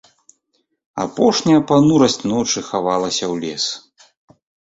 Апошняя панурасць ночы хавалася ў лес.